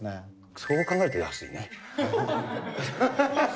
そう考えると安いね。